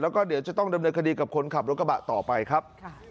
แล้วก็เดี๋ยวจะต้องดำเนินคดีกับคนขับรถกระบะต่อไปครับ